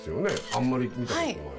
あんまり見たことない。